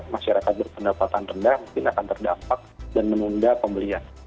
masyarakat berpendapatan rendah mungkin akan terdampak dan menunda pembelian